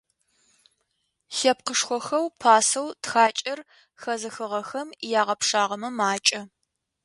Лъэпкъышхохэу пасэу тхакӏэр хэзыхыгъэхэм ягъэпшагъэмэ - макӏэ.